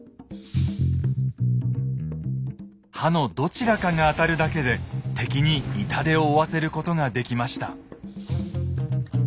刃のどちらかが当たるだけで敵に痛手を負わせることができました。